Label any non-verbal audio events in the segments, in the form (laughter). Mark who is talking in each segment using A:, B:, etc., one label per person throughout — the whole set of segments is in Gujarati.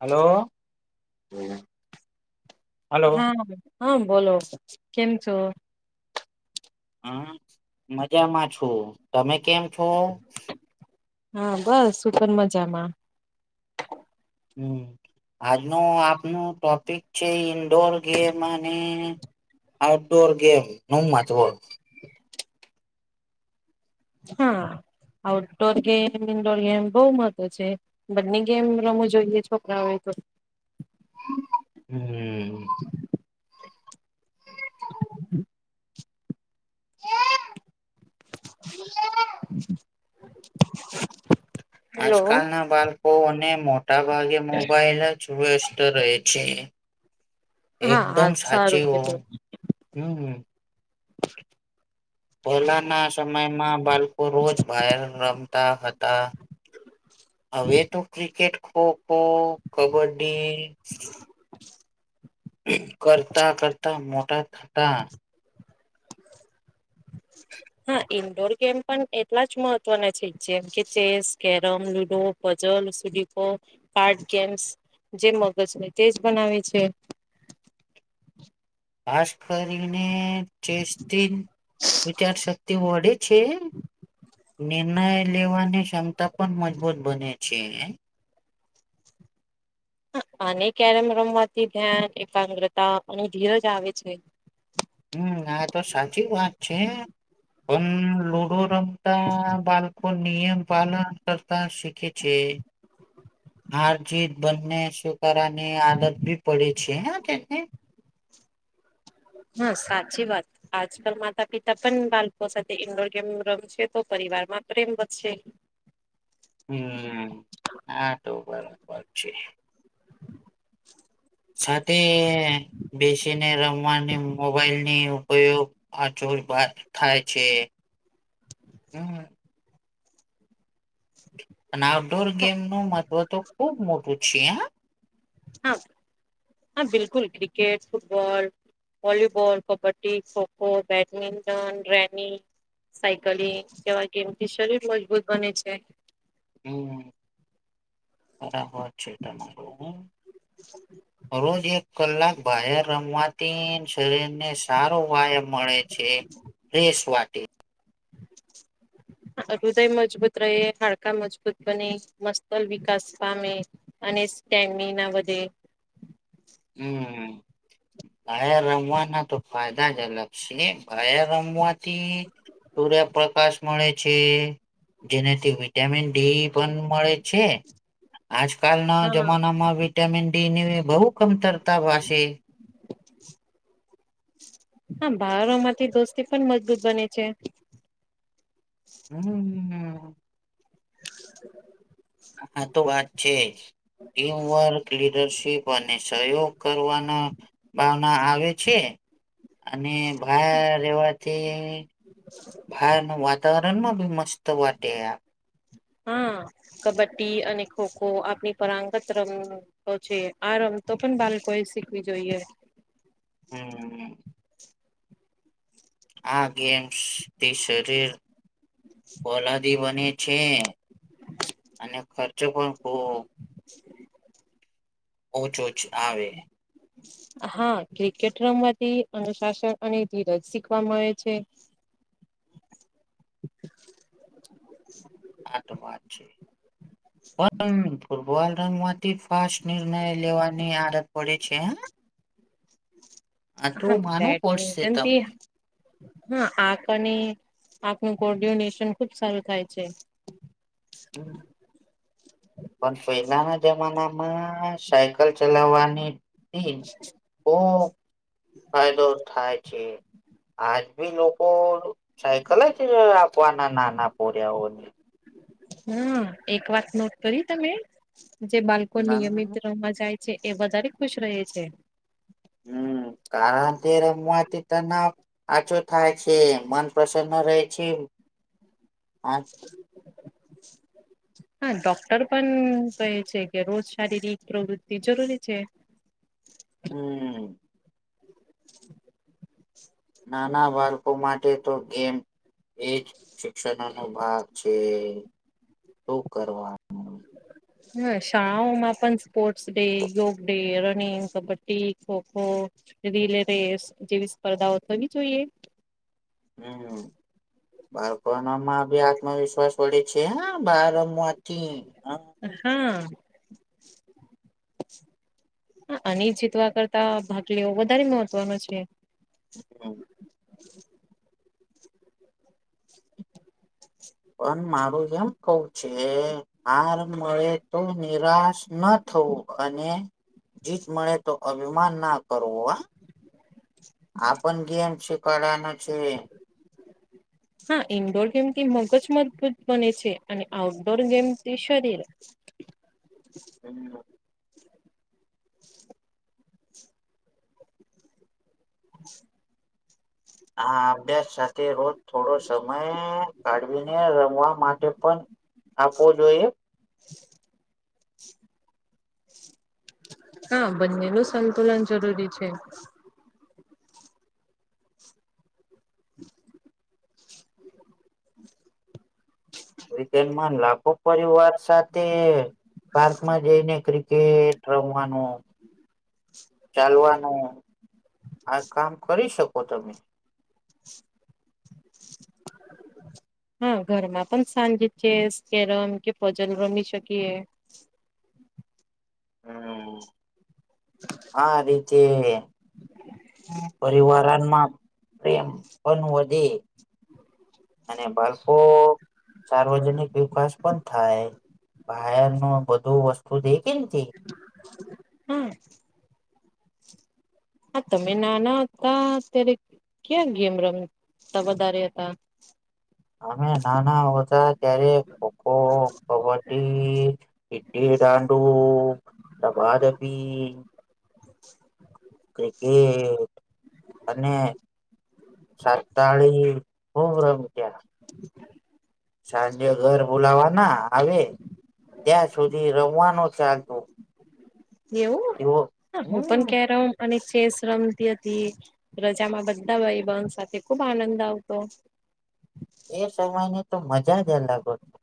A: હલો
B: હમ
A: હલો
B: હા હા બોલો કેમ છો
A: હા મજામાં છું તમે કેમ છો
B: હા બસ શું પણ મજામાં
A: હમ આજનો આપનો ટોપિક છે ઈન્ડોર ગેમ અને આઉટડોર ગેમ નચબોલ
B: હા આઉટડોર ગેમ ઇન્ડોર ગેમ બહ મહવ છે બંને ગેમ રમું જોઈએ છોકરાઓ તો
A: હમ
B: હ (inaudible)
A: આજકાલના બાળકોને મોટા ભાગે મોબાાઈલ જ વ્યસ્ત રહે છે
B: હા હા
A: એકદમ
B: સારું
A: સાચી હો
B: કીધું.
A: હમ પહેલાના સમયમાં બાળકો રોજ બાર રમતા હતા હવે તો ક્રિકેટ ખોખો કબડ્ડી કરતા કરતા મોટા થતા
B: હા ઈન્ડોર ગેમ પણ એટલા જ મહત્વના છે જેમ કે ચેસ કેરમ લુડો જલ સુડીપો કારમ જે મગજ હોય તેજ બનાવે છે
A: ખાસ કરીને ચેસ્ટ વિચારશક્તિ વડે છે નિર્ણય લેવાની ક્ષમતા પણ મજબૂત બને છે
B: અને કેરમ રમવાથી ધ્યાન એકાગ્રતા અને ધીરજ આવે છે
A: હમ આ તો સાચી વાત છે પણ લુડો રમ બાળકો નિયમ પાલન કરતા શીખે છે હારજીત બંને સ્વીકારાની આદત બી પડે છે તેને
B: હા સાચી વાત આજકાલ માતા પિતા પણ બાળકો સાથે ઈન્ડોર ગેમ રમશે તો પરિવાર માં પ્રેમ વધશે
A: હમ આ તો બરાબર છે
B: (inaudible)
A: સાથે બેસીને રમવાની મોબાઈલની ઉપયોગ આચો થાય છે હમ
B: હ
A: અને આઉટડોર ગેમ નું મહત્ત્વ તો ખુબ મોટું છે
B: હા હા બિલકુલ cricket football volleyball kabaddi kho kho badminton રનીિ cycling કેવા ગેમ થી શરીર મજબૂત બને છે
A: હમ બરાબર છે તમારોું હ રોજ એક કલાક બહાર રમવા શરીર ને સારો વયામ મળે છે રેસવા (unintelligible)
B: હૃદય મજબૂત રહે હાડકા મજબૂત બને મસ્તલ વિકાસ પામે અને સ્ટગી ના બધે
A: હમ બયા રમવાના તો ફાયદા જ અલગ છે બયા રમવાથી સૂર્યપ્રકાશ મળે છે જેનાથી વિટામિન ડી પણ મળે છે આજકાલના
B: હા
A: જમાનામાં વિટામિન ડી ની બહુ કમતરતા ભસે (unintelligible)
B: હા બાર માંથી દોસ્તી પણ મજબૂત બને છે
A: હમ
B: (unintelligible)
A: હા તો વાત છે જ ટીમવર્ક લ પ અને સહયોગ કરવાના ભાવના આવે છે અને બહ રેવાથી ભાર ન વાતાવરણમાં બી મસ્ત વાટે આ
B: હા કબડ્ડી અને ખોખો આપણી પરાંગત રમ તો છે આ રમતો પણ બાળકો એ શીખવી જોઈએ
A: હમ આ ગેમ્સ થી શરીર ઓલાદી બને છે અને ખર્ચો પણ ખ
B: (unintelligible)
A: ઓછો ઓછ આવે
B: હા ક્રિકેટ રમવાથી અનુશાસન અને ધીરજ શીખવા મળે છે
A: હા તો વાત છે પણ વર્ણન માંથી જ ફાસ્ટ નિર્ણય લેવાની આદત પડે છે હ આટલુ
B: હા
A: માનું પડશે
B: બેડમિન્ટન થી
A: તમને
B: હા આંખ અને આંખનું કોર્ડ્યુલેશન ખુબ સારું થાય છે
A: હમ પણ પહેલાના જમાનામાં સાયકલ ચલાવવાની થી ખુબ ફાયદો થાય છે આજ ભી લોકો સાયકલ જ આપવાના નાના પોર્યાઓને
B: હમ, એક વાત નોટ કરી તમે? જે બાલકો નિયમિત
A: ના
B: રમા જાય છે, એ વધારે ખુશ રહે છે.
A: હમ, કારણ તે રમવાથી તનાવ આછો થાય છે, મન પ્રસન્ન રહે છે.
B: હા, ડોક્ટર પણ કહે છે કે રોજ શારીરિક પ્રવૃત્તિ જરૂરી છે.
A: હમમ. નાના બાળકો માટે તો ગેમ એજ શિક્ષકાનુ ભાગ છે. તો કરવાનું
B: હા શાળાઓમાં પણ સ્પોર્ટ્સ ડે, યોગ day, running, kabaddi, kho kho relay race જેવી સ્પર્ધાઓ થવી જોઈએ.
A: હમમ. બાળપણ માં બી આત્મવિશ્વાસ વડે છે હા બાર રમવાથી.
B: હું અને જીતવા કરતા ભાગ લેવો વધારે મહત્વનો છે.
A: હ પણ મારું એમ કવ છે. આર મળે તો નિરાશ ન થવું અને જીત મળે તો અભિમાન ના કરવો હ. આપણ ગેમ છેકવાડવાના છે.
B: હા, ઇન્ડોર ગેમથી મગજ મજબૂત બને છે અને આઉટડોર ગેમથી શરીર.
A: એમ આભ્યાસ સાથે રોજ થોડો સમય કાઢવીને રમવા માટે પણ આપવો જોઈએ
B: હા, બંને નું સંતુલન જરૂરી છે.
A: વિકેન્ડમાં લાખો પરિવાર સાથે પાર્કમાં જઈને ક્રિક કેટ રમવાનું, ચાલવાનું આ કામ કરી શકો તમે.
B: હ ઘરમાં પણ સાંજે ચેસ, કેરમ કે પજલ રમી શકીએ.
A: હમ
B: હ
A: આ રીચે
B: હા
A: પરિવારમાં પ્રેમ પણ વધે અને બાળકો સાર્વજનિક વિકાસ પણ થાય બહાર ન બધું વસ્તુ દેખ
B: હમ્મ. આ તમે નાના હતા ત્યારે ક્યાં? ગેમ રમ તા વધારે હતા.
A: અમે નાના હોતાા ત્યારે ખોખો, અવટ્ટીથ, ડિડીડાડું, ડબાદબી ક્રિકેટ અને સાતાળી હો્રમ ક્યા
B: (inaudible)
A: સાંજે ઘર બોલાવા ના આવે ત્યાં સુધી રમવાનો ચાલતો
B: એવું હું પણ
A: હમ
B: કેરમ અને ચેસ રમતી હતી રજામાં બધા ભાઈ બ સાથે ખુબ આનંદ આવતો
A: એ સમયની તો મજા જ અલગો છે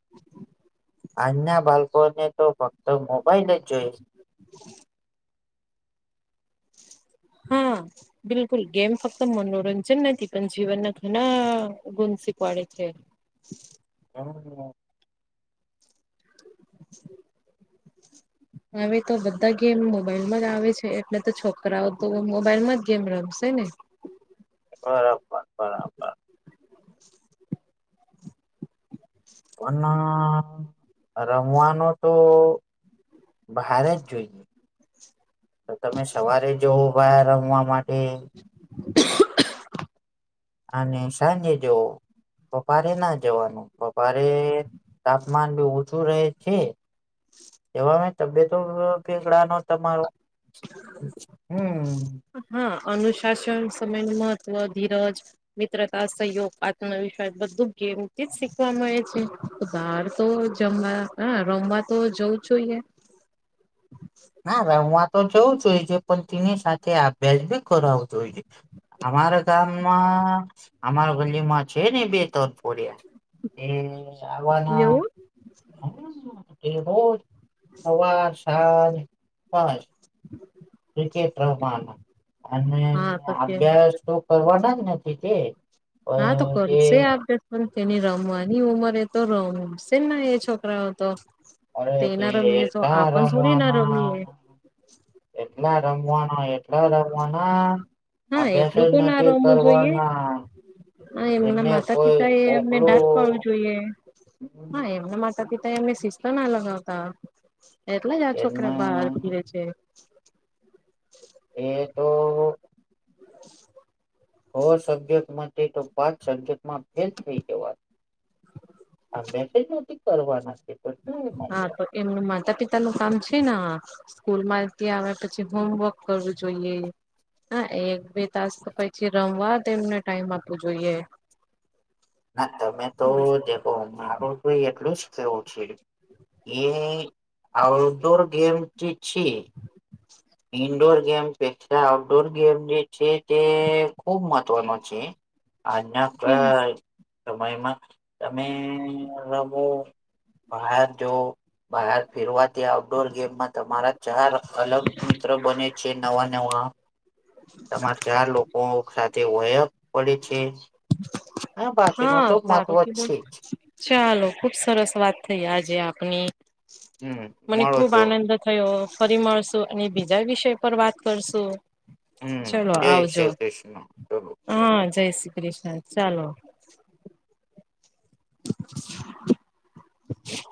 A: આજના બાળકોને તો ફક્ત મોબાઈલ જ જોઈ
B: (inaudible) હમ બિલકુલ ગેમ ફક્ત મનોરંજન નથી પણ જીવનના ઘણા ગુણ શીખવાડે છે
A: હ
B: (unintelligible) હવે તો બધા ગેમ મોબાઈલ માં જ આવે છે એટલે તો છોકરાઓ તો મોબાઈલમાં જ ગેમ રમશે ને
A: બરાબર બરાબર પણ રમવાનો તો બહાર જ જોઈએ તો તમે સવારે જવો બહાર રમવા માટે અને સાંજે જવો પપાારે ના જવાનું પપરે તાપમાન બી ઓછું રહે છે એવા તબિયતો ભેગડાનો તમારો હમ
B: હા અનુશાસન સમય નું મહત્ત્વ ધીરજ મિત્રતા સહયોગ આત્મવિશ્વાસ બધું ગેમથી જ શીખવા મળે છે બહાર તો જમવા હ રમવા તો જવું જોઈએ
A: ના રમવા તો જવું જોઈ છે પણ તેની સાથે અભ્યાસ ભ કરાવ જો હોઈ છે અમારા ગામમાં અમારા ગલીમાં છે ને બે તરફોડિયા એવાના
B: એવું.
A: એ બજ સવાર સાજ પા
B: હ
A: ક્રિકેટ રવાના અને
B: હા તો કે
A: અભ્યાસ તો કરવાના જ નથી તે
B: હા
A: પણ
B: તોકોલ
A: તે
B: સે આપ પણ તેની રમવાની ઉંમર એ તો રમશે એ છોકરાઓ તો
A: અરે તે
B: ના રમીએ તો
A: એટલા
B: આપણ થોડી ના
A: રમવાના
B: રમીએ
A: એટલા રમવાના એટલા રમવાના
B: હા
A: અભ્યાસ
B: એટલું
A: જ
B: તો ના
A: નથી
B: રમું જોઈએ
A: કરવાના
B: હા એમના
A: એને
B: માતા
A: કોઈ
B: પિતા એ એમને દાંત
A: કોકલું
B: પાડવું જોઈએ હા એમના માતા પિતા એ એમને શિસ્તા ના લગાવતા એટલે જ આ
A: એને
B: છોકરા બહાર ફીરે છે
A: એ તો
B: (inaudible)
A: છ સબ્જેક્ટ તો પાંચ સબ્જેક્ટમાં ફેલ થઈ જવાત આ મેસેજ નથી કરવાના છે પણ
B: હા તો એમનું માતા પિતા નું કામ છે ને સ્કૂલ માં ત આવે પછી હોમવર્ક કરવું જોઈએ હા એક બે તાસ પછી રમવા એમને ટાઈમ આપવો જોઈએ
A: ના તમે તો દેખો મારું તો એટલું જ કહેવું છે. એ આઉટડોર ગેમ જે છી
B: (inaudible)
A: ઈન્ડોર ગેમ પા આઉટડોર ગેમ જે છે તે ખુબ મહત્વનો છે અન આપે સમયમાં તમે રમો બહાર જવો બહાર ફેરવાથી આઉટડોર ગેમમાં તમારા ચાર અલગ તો બને છે નવા નવા. તમારે ચાર લોકો સાથે વય પડે છે. બાકીનું
B: હા
A: તો મહત્વ
B: સારું કીધું.
A: છે જ
B: ચાલો ખુબ સરસ વાત થઈ આજે આપની
A: હમ
B: મને
A: મળો
B: ખુબ
A: તો
B: આનંદ થયો ફરી મળશું અને બીજા વિષય પર વાત કરશું.
A: હમ
B: ચલો
A: જય
B: આવજો
A: શ્રી કૃષ્ણ ચલો
B: હા જય શ્રી કૃષ્ણ ચાલો. (inaudible) (inaudible)